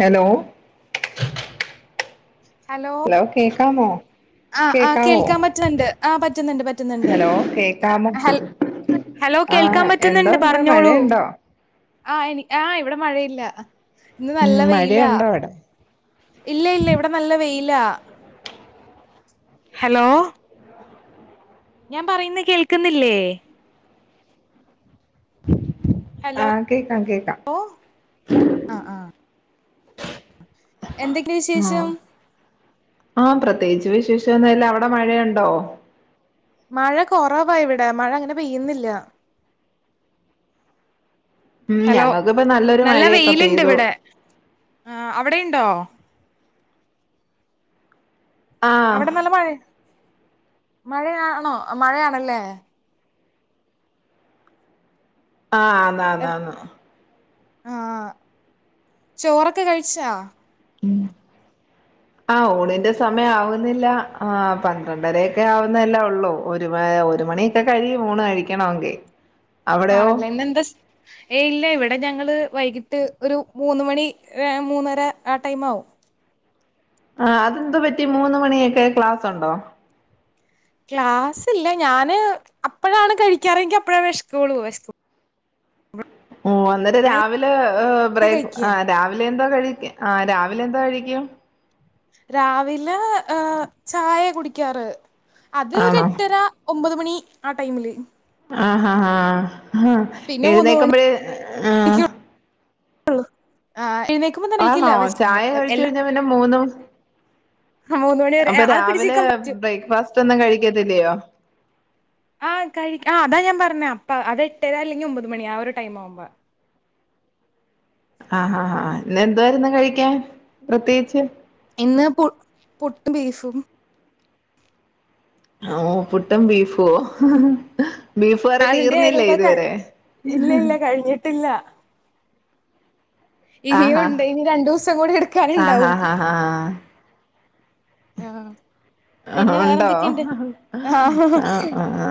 Hello hello hello കേക്കാമോ ആഹ് ആഹ് കേക്കാവോ കേൾക്കാൻ പറ്റുന്നുണ്ട് ആഹ് പറ്റുന്നുണ്ട് പറ്റുന്നുണ്ട് ഹലോ കേക്കാമോ ഹലോ ഹലോ കേൾക്കാൻ ആഹ് പറ്റുന്നുണ്ട് എന്തോണ്ട് പറഞ്ഞോളൂ മഴയുണ്ടോ ആ എനി ആ ഇവിടെ മഴയില്ല ഇന്ന് ഉം നല്ല വെയിലാ മഴയുണ്ടോ അവിടെ ഇല്ല ഇല്ല ഇവിടെ നല്ല വെയിലാ ഹലോ ഞാൻ പറയുന്നേ കേൾക്കുന്നില്ലേ ഹലോ ആഹ് കേക്കാം കേക്കാം ആഹ് ആഹ് എന്തൊക്കെ വിശേഷം ആഹ് ആഹ് പ്രത്യേകിച്ച് വിശേഷം ഒന്നും ഇല്ല അവിടെ മഴയുണ്ടോ മഴ കൊറവാ ഇവിടെ മഴ അങ്ങനെ പെയ്യുന്നില്ല ഉം ഹലോ ഞങ്ങൾക്കിപ്പ നല്ലൊരു നല്ല മഴയൊക്കെ വെയിലുണ്ട് പെയ്തു ഇവിടെ ആ അവിടെയുണ്ടോ ആഹ് അവിടെ നല്ല മഴ മഴയാണോ മഴയാണല്ലേ ആഹ് ന്നാ ന്നാ ന്ന് ആഹ് ചോറൊക്കെ കഴിച്ചാ ആ ഊണിന്റെ സമയം ആവുന്നില്ല ആ പന്ത്രണ്ടരക്കെ ആവുന്നതല്ലേ ഉള്ളൂ ഒരു ഒരു മണി ഒക്കെ കഴി യും ഊണ് കഴിക്കണോങ്കി ആണല്ലേ ഇന്നെന്തസ് ഏയ് ഇല്ല ഇവിടെ ഞങ്ങള് വൈകിട്ട് ഒരു മൂന്ന് മണി മൂന്നര ആ ടൈംമാവും ആ അതെന്തു പറ്റി മൂന്ന് മണിയൊക്കെ ക്ലാസ്ണ്ടോ ക്ലാസില്ല ഞാന് അപ്പഴാണ് കഴിക്കാറങ്കി അപ്പഴ വെഷ് കൊളു വെഷ് ഉ അന്നേരം രാവിലെ ബ്രേക്ക് കഴിക്കുക ആരാവിലെ എന്താ കഴിക്ക ആ രാവിലെ എന്താ കഴിക്കും രാവിലെ ചായ കുടിക്കാറ് അത് ഒരു ആണോ എട്ടര ഒമ്പത് മണി ആ ടൈമില് ആ ഹ്ആഹ് ആഹ് ആഹ് പിന്നെ മൂന്ന് മണി എഴുന്നേക്കുമ്പഴ്‌ ആഹ് ആഹ് ഇനി ആണോ ചായ കഴിച്ച കഴിഞ്ഞാ പിന്നെ മൂന്നും ആഹ് മൂന്ന് മണി വരെ അപ്പൊ അത് രാവിലെ പിടിച്ചിക്കാൻ പറ്റും ബ്രേക്ക്ഫാസ്റ്റ് ഒന്നും കഴിക്കത്തില്ലയോ ആഹ് കഴി ആ അതാ ഞാൻ പറഞ്ഞെ അപ്പ അത് എട്ടരാ അല്ലെങ്കി ഒമ്പത് മണി ആ ഒരു ടൈം ആവുമ്പ ആഹഹഹ ഇന്ന് എന്താ യിരുന്നു കഴിക്കാൻ പ്രത്യേകിച്ച് ഇന്ന് പു പുട്ട് ബീഫും ഓ പുട്ടുംബീഫോ ബീഫ് കറി തീർന്നില്ലേ ആയതുകൊണ്ട് ഇതുവരെ ഇല്ല ഇല്ല ഇനീം ആഹാ ഉണ്ട് ഇനി രണ്ടു ദിവസം കൂടി എടുക്കാന് ഉ ണ്ടാവും ആഹ്‌ ആഹ് ആഹ് പിന്നെ ഉണ്ടോ വേറെന്തൊക്കെയുണ്ട് ആഹ് ആഹ് ഹഹ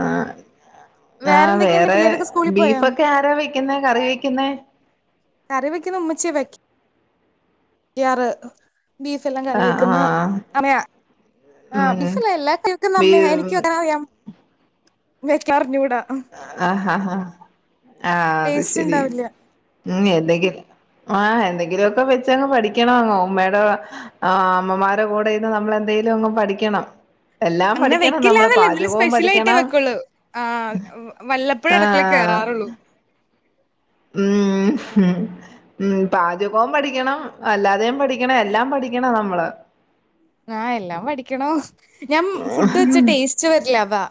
ആ വേറെന്തൊക്കെയുണ്ട് വേറെ പിള്ളേരൊക്കെ സ്കൂളിൽ പോയോ ബീഫൊക്കെ ആരാ വെക്കുന്നെ കറി വെക്കുന്നെ കറി വയ്ക്കുന്ന ഉമ്മച്ചി യാ വയ് ക്കാറ് ബീഫ് എല്ലാം കറി ആഹ് വെക്കുന്ന ആഹ് അനാ ആ ഉം ബീഫല്ല എല്ലാക്കും വെക്കുന്നെ ബീ അമ്മെ യാ എനിക്കും അങ്ങനെ അറിയാം വെക്കാറുണ്ട് ഇവടെ ആഹ് ആഹ് ഹഹ ഹ ആ അത് ടേസ്റ്റ് ശരി ഉണ്ടാവില്ല ഉ എന്തെങ്കിലും ആഹ് എന്തെങ്കിലുക്കെ വെച്ചങ് പഠിക്കണം ഉമ്മേടെ ആ അമ്മമാരെകൂടെ ഇന്ന് നമ്മൾന്തേലും ഒന്ന് പഠിക്കണം എല്ലാം അങ്ങനെ പഠിക്കണം നമ്മള് വെക്കില്ലാന്നല്ല എങ്കിലും പാചകവും സ്പെഷ്യലായിട്ടേ പഠിക്കണം വെക്കൊള്ളൂ ആ വല്ലപ്പ ഴേ അടുക്കളെ ആഹ് കേറാറുള്ളൂ ഉം ഹും ഉംപാചകവും പഠിക്കണം അല്ലാതെയും പഠിക്കണം എല്ലാം പഠിക്കണം നമ്മള് ആ ഹ്എല്ലാം പഠിക്കണം ഞാൻ ഫുഡ് വെച്ച ടേസ്റ്റ് വരില്ല അതാ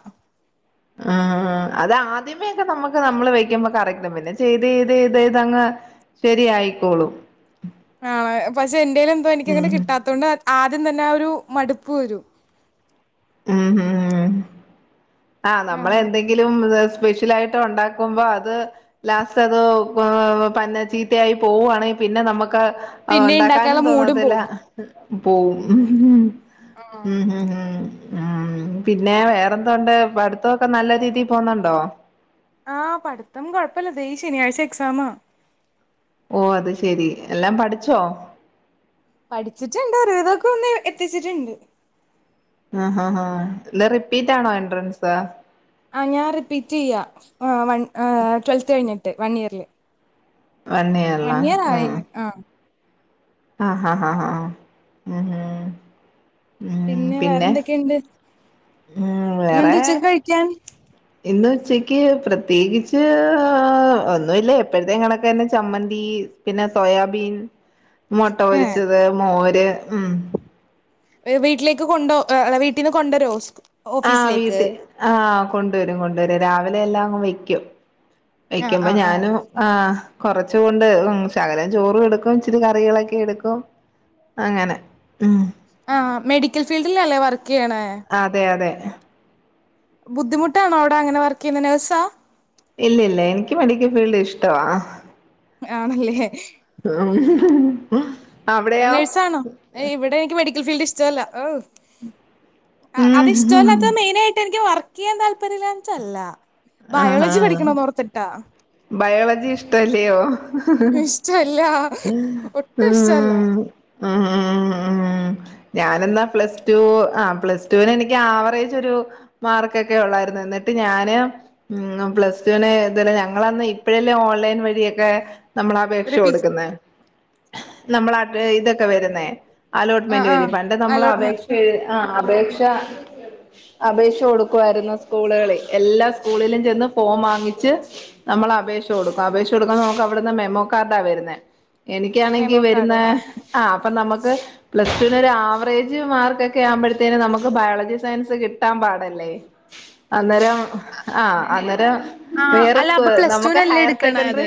ആഹ് അത്ആദ്യമേക്കെ നമുക്ക് നമ്മള് വെക്കുമ്പ കറക്കും പിന്നെ ചെയ്ത് ഇത് ഇത് ഇത്ങ്ങ് ശരിയായിക്കോളും ആ പക്ഷെ എന്തേലും എന്തോ എനിക്കങ്ങനെ ഉം കിട്ടാത്തൊണ്ട് ആദ്യം തന്നെ ആ ഒരു മടുപ്പ് വരും ആഹ് നമ്മള് എന്തെങ്കിലും സ്പെഷ്യലായിട്ട് ഉണ്ടാക്കുമ്പോ അത് ലാസ്റ്റ് അത് ഏ പന്നെ ചീത്തയായി പോവാണങ്കിൽ പിന്നെ നമക്ക് അത് പിന്നെ ഒണ്ടാക്കാനും ഇണ്ടാക്കാനുള്ള മൂടും തോന്നത്തില്ല പോവും പോവും ആഹ് ഉം ഹും ഹും പിന്നെ വേറെന്തണ്ട് പ ടുത്തൊക്കെ നല്ല രീതി പോന്നുണ്ടോ ആഹ് പഠിത്തം കുഴപ്പമില്ല ദേ ഈ ശനിയാഴ്ച എക്സാമാ ഓ അത് ശെരി എല്ലാം പഠിച്ചോ പഠിച്ചിട്ടുണ്ട് ഒരുവിധോക്കെ ഒന്ന് എത്തിച്ചിട്ടുണ്ട് ആഹ് ആഹ് ഇല്ല റിപ്പീറ്റാണോ എൻട്രൻസ് ആഹ് ഞാൻ റിപ്പീറ്റ് ചെയ്യാ വൺ ട്വൽത്ത് കഴിഞ്ഞിട്ട് വൺ ഇയറിൽ വൺ ഇയറിലാ ആയി ഉം ആഹ് ആഹ് ഹഹ് ആഹ് ആഹ് മ്മ് ഹ് പിന്നെ വേറെന്തൊക്കെയുണ്ട് ഉം വേറെ ഇന്നെന്താ ഉച്ചക്ക് കഴിക്കാൻ ഇന്ന് ഉച്ചക്ക് പ്രത്യേകിച്ച് ഒന്നുല്ല എപ്പഴതേം കണക്ക് തന്നെ ചമ്മന്തി പിന്നെ സോയാബീൻ മുട്ട ഏഹ് പൊരിച്ചത് മോര് ഉം വീട്ടിലേക്ക് കൊണ്ടോ അല്ല വീട്ടന്ന് കൊണ്ട രോസ്ക് ആഹ് വീട്ട് ആ കൊണ്ടരും കൊണ്ടരും രാവിലെ എല്ലാം അങ്ങ് വെക്കും ആഹ് വെയ്ക്കുമ്പോ ആഹ് ആഹ് ഞാന് ആഹ് കൊറച്ചു കൊണ്ട് ഉം ശകലം ചോറും എടുക്കും ഇച്ചിരി കറികളൊക്കെ എടുക്കും അങ്ങനെ ഉം ആഹ് മെഡിക്കൽ ഫീൽഡിലല്ലേ വർക്ക് ചെയ്യണേ അതെ അതെ ബുദ്ധിമുട്ടണോവിടെ അങ്ങനെ വർക്ക് ചെയ്യുന്ന നേഴ്സാ ഇല്ലല്ല എനിക്ക് മെഡിക്കൽ ഫീൽഡ് ഇഷ്ടവാ ആണല്ലേ ആഹ് നേഴ്സാണോ ഇവിടെ എനിക്ക് മെഡിക്കൽ ഫീൽഡ് ഇഷ്ടമല്ല ് ഉം അതിഷ്ടമല്ലാത്തത് മെയിനായിട്ട് എനിക്ക് വർക്ക് ചെയ്യാൻ താല്പര്യമില്ലാഞ്ഞിട്ടല്ല ബയോളജി ആഹ് പഠിക്കണന്നോർത്തിട്ടാ ബയോളജി ഇഷ്ടല്ലയോ ഇഷ്ടല്ല ഒട്ടും ഇഷ്ടല്ല. ആഹ് ഉം ഞാനന്നാ പ്ലസ് ടു ആഹ് പ്ലസ്ടുവിന് എനിക്ക് ആവറേജ് ഒരു മാർക്കൊക്കെ ഉള്ളായിരുന്നു എന്നിട്ട് ഞാന് ഉം പ്ലസ് ടുവിന് ഇല്ല ഞങ്ങളന്ന് ഇപ്പഴല്ലേ ഓൺലൈൻ വഴിയൊക്കെ നമ്മൾ അപേക്ഷ റിപ്പീറ്റ് കൊടുക്കുന്നെ നമ്മളാട്ടെ ഇത് ട്ടാ വരുന്നേ ആഹ് അലോട്ട്മെന്റ് ആഹ് വരും പണ്ട് നമ്മൾ അലോട്ട്മെന്റ് അപേക്ഷ എയ് ആഹ് അപേക്ഷ അപേക്ഷ കൊടുക്കുവായിരുന്നു സ്കൂളുകളിൽ എല്ലാ സ്കൂളിലും ചെന്ന് ഫോം വാങ്ങിച്ച് നമ്മൾ അപേക്ഷ കൊടുക്കും അപേക്ഷ കൊടുക്കുമ്പോ നമുക്ക് അവിടുന്ന് മെമോ കാർഡാ വരുന്നേ എനിക്കാണെങ്കി മെമോ കാർഡ് വെര്ന്നാ ആഹ് അപ്പൊ നമ്മുക്ക് പ്ലസ് ടുവിന് ഒരു ആവറേജ് മാർക്ക് ഒക്കെ ആവുമ്പോഴത്തേനും നമുക്ക് ബയോളജി സയൻസ് കിട്ടാൻ പാടല്ലേ അന്നേരം ആഹ് അന്നേരം ആഹ് വേറെ അല്ല സ്കൂ അപ്പൊ പ്ലസ് നമ്മ്ക്ക് ടുവിനല്ലേ ഹയർ സെക്കൻഡറി എടുക്കണത്?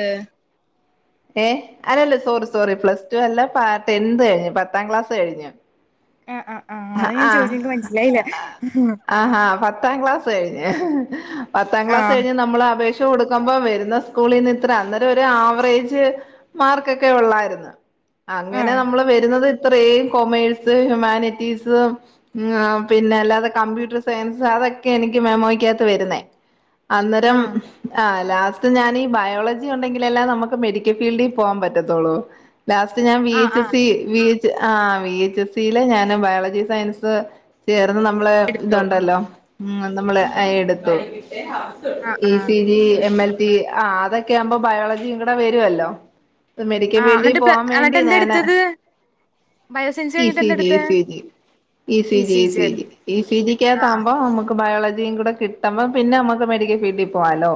ഏഹ് അതല്ലാ സോറി സോറി പ്ലസ് ടു അല്ല പ ടെൻന്ത് കഴ്‌ഞ്ഞ് പത്താം ക്ലാസ് കഴിഞ്ഞു ആഹ് ആഹ് ആഹ് അത ഞാൻ ചോയ്ചെ ഇൻക്ക് മനസ്സിലായില്ല ആഹ് പത്താം ക്ലാസ്സ് കഴിഞ്ഞ് പത്താം ക്ലാസ് ആഹ് കഴിഞ്ഞ് നമ്മള് അപേക്ഷ ട്ട് കൊടുക്കുമ്പോ വരുന്ന സ്കൂളിന്ന്‌ ഇത്ര അന്നേരം ഒരു ആവറേജ് മാർക്കൊക്കെ ഉള്ളായിര്ന്ന് അങ്ങനെ ആഹ് നമ്മള് വരുന്നത് ഇത്രേയും കൊമേഴ്സ് ഹ്യുമാനിറ്റീസ് ഉം ആഹ് പിന്നെ അല്ലാതെ കമ്പ്യൂട്ടർ സയൻസ് അതൊക്കെ എനിക്ക് മെമോയിക്കാത്ത് വരുന്നേ അന്നേരം ആഹ് ആഹ് ലാസ്റ്റ് ഞാനീ ബയോളജി ഉണ്ടെങ്കിലല്ലേ നമുക്ക് മെഡിക്കൽ ഫീൽഡിൽ പോവാൻ പറ്റത്തുള്ളൂ ലാസ്റ്റ് ഞാൻ ആഹ് ബിഎച്ച് എസ് ആഹ് സിആഹ് ബിഎച് എസ് സി യിൽ ഞാൻ ബയോളജി സയൻസ് ചേർന്ന് നമ്മള എടുത്തു ആഹ് ഇതുണ്ടല്ലോ ഉം നമ്മള് എടുത്തു ആഹ് ഇ ആഹ് C G M L D ആഹ് അതൊക്കെ ആവുമ്പോ ബയോളജിയും കൂടെ വരുമല്ലോ ഇപ്പ മെഡിക്കൽ ആഹ് ഫീൽഡിൽ എന്നിട്ട് പ്ല- പോവാൻ വേണ്ടി എന്നിട്ട് എന്താ ഞാൻ എടുത്തത്? ബയോസയൻസ് കഴിഞ്ഞിട്ട് എന്താ ഇസിജി ഇ എടുത്തേ? C G E C G E C G E C ആഹ് ജിക്കകത്താവുമ്പോ നമുക്ക് ബയോളജിയും കൂടെ കിട്ടുമ്പ പിന്നെ നമ്മുക്ക് മെഡിക്കൽ ഫീൽഡിൽ പോകാലോ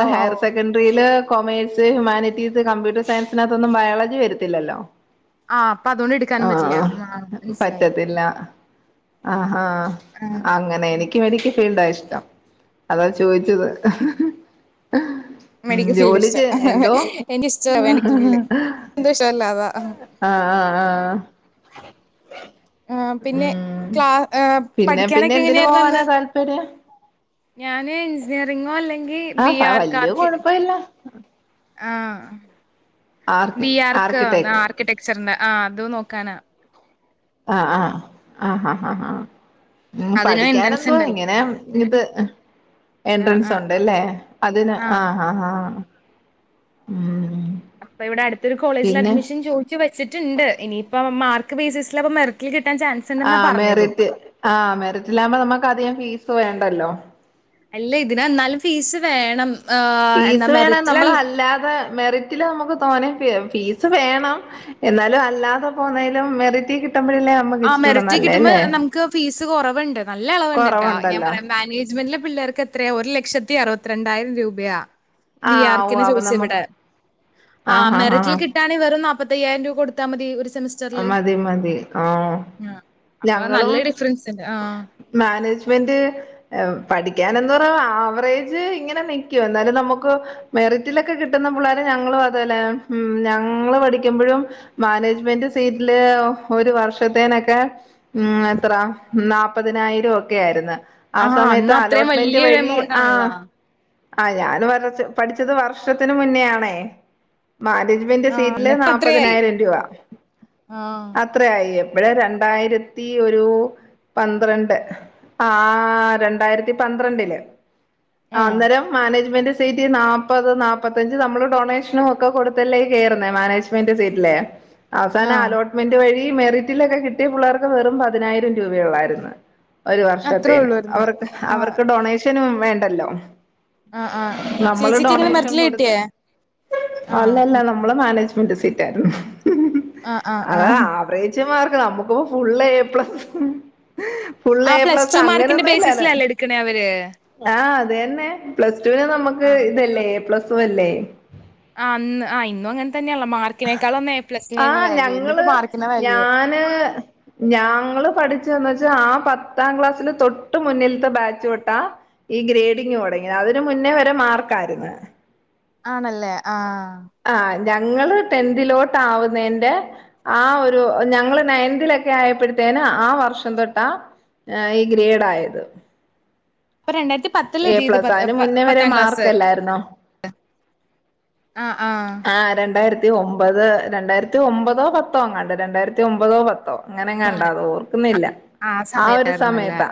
ആഹ് ഓ ഓ higher secondary commerce humanities computer സയൻസിനകത്തൊന്നും ബയോളജി വരത്തില്ലല്ലോ ആഹ് അപ്പൊ അതുകൊണ്ട് എടുക്കാനും പറ്റില്ല ആഹ് മനസ്സിലായി തില്ല ആഹാ ആഹ് അങ്ങനെണ് എനിക്ക് മെഡിക്കൽ ഫീൽഡാ ഇഷ്ടം അതാ ചോദിച്ചത് ഉം മെഡിക്കൽ ഫീൽഡ് ജോലി ഇഷ്ട എന്തോ എനിക്കിഷ്ട മെഡിക്കൽ ഫീൽഡ് എന്തോ ഇഷ്ടല്ല അതാ ആഹ് ആഹ് ആഹ് ആഹ് പിന്നെ ഉം ക്ലാ പിന്നെ പിന്നെ പഠിക്കാനൊക്കെ എന്തിന് എങ്ങനെയായിരുന്നു അന്ന് പോവാനാ താല്പര്യം ഞാന് എഞ്ചിനീയറിങ്ങോ അല്ലെങ്കിൽ ബി ആഹ് വല്യ ആർക്കാർക്ക കൊഴപ്പല്ല ആഹ് ആർക്ക് ബി ആർക്ക് ആർക്കിടെക്ട് ആർ ടെക്സ്ചർന് ആഹ് അതും നോക്കാനാ ആഹ് ആഹ ആഹ് ആഹ് ആഹ് ആഹ് ഉം അതിനും എൻട്രൻസ് പഠിക്കാനെന്തോ ഉണ്ടല്ലോ ഇങ്ങനെ ഇത് ആഹ് എൻട്രൻസ് ആഹ് ആഹ് ഉണ്ട്ല്ലേ അതിന് ആഹ് ആഹ് ഉംഉം അപ്പൊ ഇവിടെ അടുത്തൊരു കോളേജിൽ അഡ്മിഷൻ ചോദി ച്ച് വച്ചിട്ടുണ്ട് ഇനിയിപ്പം മാർക്ക് ബേസസിൽ മെറിക്കി കിട്ടാൻ ചാൻസ് ഉണ്ടെന്നാ ആഹ് പറഞ്ഞതും മെറിറ്റ് ആഹ് മെറിറ്റിലാവുമ്പോ നമുക്ക് അധികം ഫീസ് വേണ്ടല്ലോ അല്ല ഇതിന് എന്നാലും ഫീസ് വേണം ആഹ് എന്താ ഫീസ് വേണം മെറിറ്റിൽ നമ്മള് അല്ലാതെ മെറിറ്റില് നമുക്ക് തോനെ ഫീസ് വേണം എന്നാലും അല്ലാതെ പോുവുന്നേലും മെറിറ്റി കിട്ടുമ്പോഴല്ലേ നമ്മക്ക് ആഹ് ഇച്ചിരൂടെ മെറിറ്റിൽ നല്ലേ കിട്ടുമ്പോ അല്ലേ നമുക്ക് ഫീസ് കുറവുണ്ട് നല്ല ഇളവുണ്ട് ട്ടാ ഞാൻ കൊറവുണ്ടല്ലോ പറയാ മാനേജ്മെന്റിലെ പിള്ളേർക്ക് എത്രയാ ഒരു ലക്ഷത്തി അറുപത്തി രണ്ടായിരം രൂപയാ ബി ആഹ് ഉവ്വ് ആർക്കിന് അവ ചോദിച്ചു നമുക്ക് ഇവിടെ ആഹ് മെറിറ്റിൽ കിട്ടാ വെറും നാൽപ്പത്തി അയ്യായിരം രൂപ കൊടുത്താൽ മതി ഒരു സെമിസ്റ്റർ മതി മതി ആഹ് ആഹ് അപ്പൊ നല്ല ഞങ്ങളും ഡിഫറൻസ് ഉണ്ട് ആഹ് മാനേജ്മെന്റ് പഠിക്കാൻ എന്ത പറഞ്ഞ ആവറേജ് ഇങ്ങനെ നികും എന്നാലും നമുക്ക് മെറിറ്റിലൊക്കെ കിട്ടുന്ന പിള്ളോരു ഞങ്ങള് അതല്ലേ ഉം ഞങ്ങള് പഠിക്കുമ്പോഴും മാനേജ്മെന്റ് സീറ്റില് ഒരു വർഷത്തേനൊക്കെ ഉം എത്ര നാ നാൽ പ്പതിനായിരം ഒക്കെ ആയിരുന്നു ആ ആഹ് സമയത്ത് അന്ന് അത്രയും അലോട്ട്മെന്റ് വലിയൊരു വഴി എമൗണ്ട് ആഹ് ആണല്ലോ ആഹ് ഞൻ വരച്ച പഠിച്ചത് വർഷത്തിന് മുന്നേയാണേ മാനേജ്മെന്റ് ആഹ് സീറ്റില് എന്നിട്ട് അത്രയായി നാല്പ്പതിനായിരം രൂപ ആഹ് അത്രയായി ഇപ്പഴ് രണ്ടായിരത്തി ഒരു പന്ത്രണ്ട് ആഹ് രണ്ടായിരത്തി പന്ത്രണ്ടില് ആഹ് അന്നേരം മാനേജ്മെന്റ് സീറ്റ് നാപ്പത് നാപ്പത്തഞ്ച് നമ്മള് ഡൊണേഷനും ക്ക കൊടുത്തല്ലേ കേറുന്നേ മാനേജ്മെന്റ് സീറ്റിലെ അവസാനം ആഹ് അലോട്ട്മെന്റ് വഴി മെറിറ്റിലൊക്കെ കിട്ടിയ പിള്ളേർക്ക് വെറും പതിനായിരം രൂപയെ ഉള്ളായിരുന്നു ഒരു അത്രേ വർഷത്തേന് ഉള്ളൂന്ന് അവർക്ക് ആഹ് അവർക്ക് ഡൊണേഷനും വേണ്ടല്ലോ ആഹ് ആഹ് നമ്മള് ചേച്ചിക്ക് എങ്ങനെ ഡൊണേഷൻ മെറിറ്റില് കൊടുത്ത കിട്ടിയേ ആഹ് അല്ലല്ല ഉം നമ്മ നമ്മൾ മാനേജ്മെന്റ് സീറ്റ് ആയിരുന്നു ആഹ് ആഹ് അത് ആഹ് ആവറേജ് മാർക്ക് നമ്മൾക്കിപ്പോ ഫുൾ എ പ്ലസ് ഫുള് ആ എ പ്ലസ് ടു മാർക്കിന്റെ അങ്ങനൊന്നും ഇല്ലല്ല ബേസിസിലല്ലേ എടുക്കണേ അവര് ആഹ് അത് തന്നെ പ്ലസ് ടുവിന് നമ്മുക്ക് ആഹ് ഇതല്ലേ എ പ്ലസ് അല്ലേ ആഹ് അന്ന് ഇന്നും അങ്ങനെ തന്നെയള്ള മാർ ആഹ് ഞങ്ങള് മാർക്കിനാ വാല്യൂ ഞാന് ഞങ്ങള് പഠിച്ചന്ന് വെച്ചാ ആ പത്താം ക്ലാസ്സില് തൊട്ട് മുന്നിലത്തെ ബാച്ച് വെട്ടാ ഈ ഗ്രേഡിങ് തുടങ്ങി അതിന് മുന്നേ വരെ മാർക്കായിരുന്നു ആണല്ലേ ആഹ് ആഹ് ഞങ്ങള് ടെത്തിലോട്ട് ആവുന്നതിന്റെ ആഹ് ഒരു ഞങ്ങള് നയൻതിലൊക്കെ ആയപ്പോഴത്തേന ആ വർഷം തൊട്ടാ ആഹ് ഈ ഗ്രേഡ ആയത് അപ്പൊ രണ്ടായിരത്തി പത്തിൽ എ എതിയത് പ്ലസ് അതിന് പ മുന്നേ വരെ പത്താം ക്ലാസ് മാർക്കല്ലായിരുന്നോ ആഹ് ആഹ് ആഹ് രണ്ടായിരത്തി ഒമ്പത് രണ്ടായിരത്തി ഒമ്പതോ പത്തോ കണ്ട് രണ്ടായിരത്തി ഒമ്പതോ പത്തോ അങ്ങനെ കണ്ട അത ഓർക്കുന്നില്ല ആ ഒരു സമയത്താ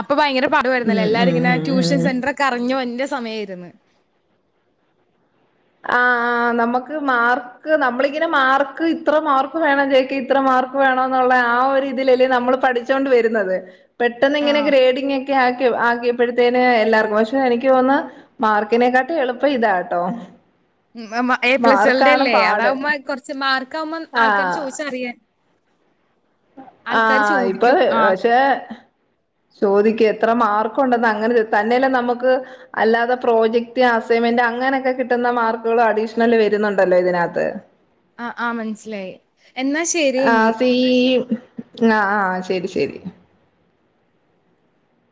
അപ്പൊ ഭയങ്കര പാടു ആയിരുന്നല്ലോ ഉം എല്ലാര ഉം ഇങ്ങനെ ഉം ട്യൂഷൻ ഉം സെന്റ ഒക്കെ അറിഞ്ഞു വന്റെ സമയമായിരുന്നു ആഹ് ആഹ് നമ്മുക്ക് മാർ നമ്മളിങ്ങനെ മാർക്ക് ഇത്ര മാർക്ക് ക്ക് വേണം ചോക്ക് ഇത്ര മാർക്ക് വേണന്നുള്ള ആ ഒരുതിലല്ലേ നമ്മൾ പഠി ച്ചോണ്ട് വരുന്നത് പെട്ടെന്നിങ്ങനെ ആഹ് ഗ്രെഡിങ്ങോ ക്കെ ആക്കി ആക്കിയപ്പോടുത്തേന് എല്ലാർക്കും പക്ഷെ എനിക്ക് തോന്നുന്ന മാർക്കിനെക്കാട്ടും എളുപ്പം ഇതാട്ടോ ഉ എ പ്ലസ്കൾഡ മാർക്കാണ് അല്ലേ പാട് അതാവുമ്പ കുറച്ച് മാർക്ക ആകുമ്പോൾ ആൾക്കാര് ആഹ് ചോദിച്ചറിയാൻ ആൾക്കാര് ആഹ ഇപ്പൊ ചോദിക്കും ആ പക്ഷേ ചോദിക്ക എത്ര മാർക്ക ഉണ്ടെന്ന് അങ്ങനെ തന്നെയല്ലാം നമുക്ക് അല്ലാതെ പ്രോജക്ട് അസൈൻമെന്റ് അങ്ങനെയൊക്കെ കിട്ടുന്ന മാർക്കുകൾ അഡീഷണല് വരുന്നുണ്ടല്ലോ ഇതിനകത്ത് ആ ആഹ് മനസിലായി എന്നാ ശ ആ ഫീ ആ ആഹ് ശരി ശരി